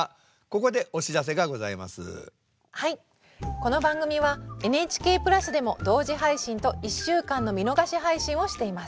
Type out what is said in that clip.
この番組はＮＨＫプラスでも同時配信と１週間の見逃し配信をしています。